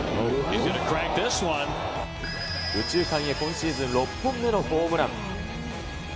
右中間へ今シーズン６本目のホームラン。